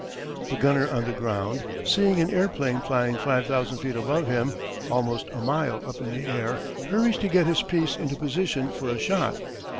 The gunner on the ground seeing an airplane flying five thousand feet above him almost a mile up in the air hurries to get his piece into position for a shot.